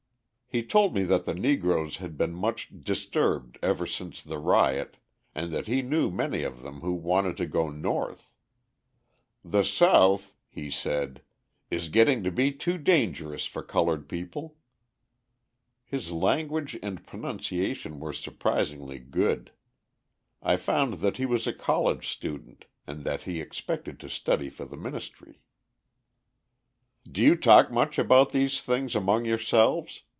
He told me that the Negroes had been much disturbed ever since the riot and that he knew many of them who wanted to go North. "The South," he said, "is getting to be too dangerous for coloured people." His language and pronunciation were surprisingly good. I found that he was a college student, and that he expected to study for the ministry. "Do you talk much about these things among yourselves?"